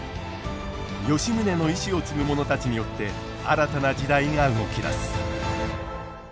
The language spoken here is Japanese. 吉宗の遺志を継ぐ者たちによって新たな時代が動き出す。